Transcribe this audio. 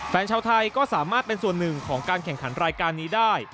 แฟนชาวไทยก็สามารถเป็นส่วนหนึ่งของการแข่งขันรายการนี้ได้